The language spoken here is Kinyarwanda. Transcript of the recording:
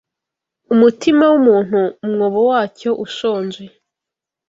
Umutima wumuntu umwobo wacyo ushonje